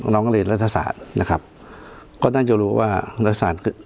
น้องเรียนรัฐศาสตร์นะครับก็น่าจะรู้ว่ารัฐศาสตร์คือ